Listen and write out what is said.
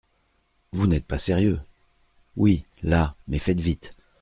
Vous n’êtes pas sérieux !… oui, là, mais faites vite !